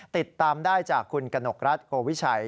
ติดตามได้จากคุณกนกรัฐโกวิชัย